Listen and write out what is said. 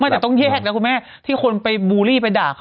แต่ต้องแยกนะคุณแม่ที่คนไปบูลลี่ไปด่าเขา